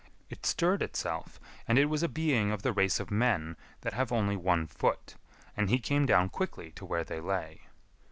It stirred itself, and it was a being of the race of men that have only one foot, and he came down quickly to where they lay.